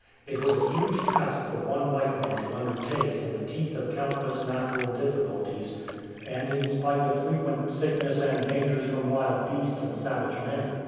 It was a huge task for one white man to undertake in the teeth of countless natural difficulties, and in spite of frequent 104 * VICTORIA NYANZA sickness and dangers from wild beasts and savage men.